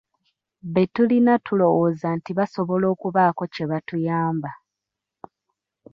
Be tulina tulowooza nti basobola okubaako kye batuyamba.